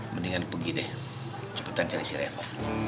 mendingan pergi deh cepetan cari si reva